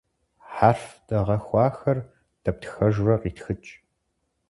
Хьэрф дэгъэхуахэр дэптхэжурэ къитхыкӏ.